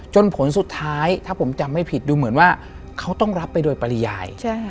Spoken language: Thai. ผลสุดท้ายถ้าผมจำไม่ผิดดูเหมือนว่าเขาต้องรับไปโดยปริยาย